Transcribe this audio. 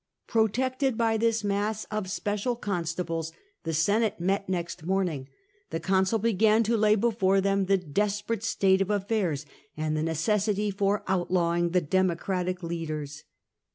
Protected by this mass of special constables the Senate met next morning. The consul began to lay before them the desperate state of affairs, and the necessity for out lawing the Democratic leaders.